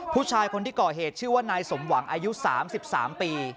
ผู้ชายคนที่ก่อเหตุชื่อว่านายสมหวังอายุ๓๓ปี